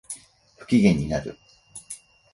不機嫌になる